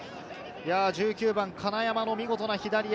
１９番・金山の見事な左足。